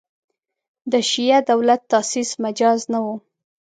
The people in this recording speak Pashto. د شیعه دولت تاسیس مجاز نه وو.